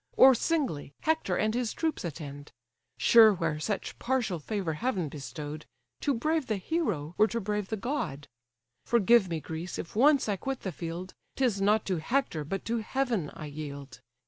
Or singly, Hector and his troops attend? Sure where such partial favour heaven bestow'd, To brave the hero were to brave the god: Forgive me, Greece, if once I quit the field; 'Tis not to Hector, but to heaven I yield.